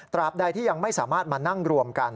บใดที่ยังไม่สามารถมานั่งรวมกัน